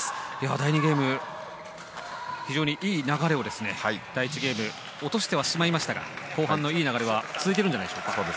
第２ゲーム、非常にいい流れを第１ゲームは落としてはしまいましたが後半のいい流れは続いているんじゃないでしょうか。